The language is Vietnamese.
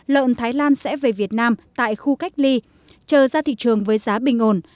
lợn thái lan sẽ về việt nam tại khu cách ly chờ ra thị trường với giá bình ổn